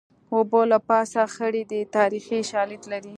اوبه له پاسه خړې دي تاریخي شالید لري